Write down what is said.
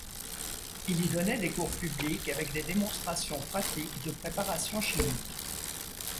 Il y donnait des cours publics, avec des démonstrations pratiques de préparations chimiques.